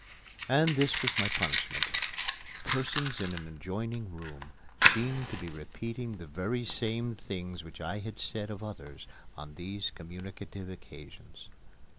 And this was my punishment: persons in an adjoining room seemed to be repeating the very same things which I had said of others on these communicative occasions.